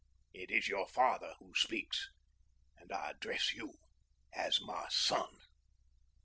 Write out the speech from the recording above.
It is your father who speaks, and I address you as my son.